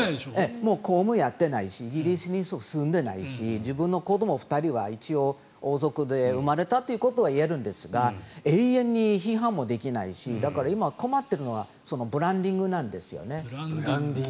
もう公務をやっていないしイギリスに住んでいないし自分の子ども２人は一応王族で生まれたということは言えるんですが永遠に批判もできないしだから、今困っているのはブランディングなんです。